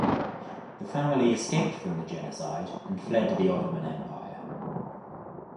The family escaped from the genocide and fled the Ottoman Empire.